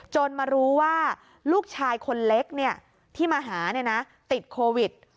มารู้ว่าลูกชายคนเล็กที่มาหาติดโควิด